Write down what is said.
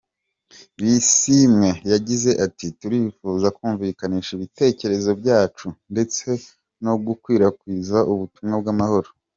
Bisimwa yagize ati "Turifuza kumvikanisha ibitekerezo byacu, ndetse no gukwirakwiza ubutumwa bw’amahoro.